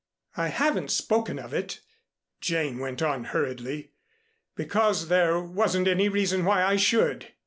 "I haven't spoken of it," Jane went on hurriedly, "because there wasn't any reason why I should.